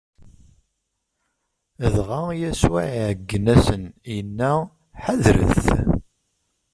Dɣa Yasuɛ iɛeggen-asen, inna: Ḥadret!